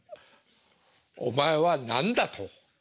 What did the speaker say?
「お前は何だ」と。